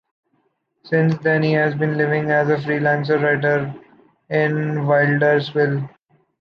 Since then he has been living as a freelance writer in Wilderswil.